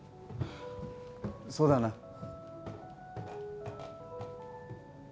そうだな